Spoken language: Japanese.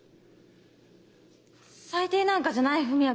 最低なんかじゃない文也君。